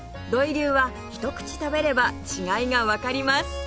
土井流は一口食べれば違いがわかります！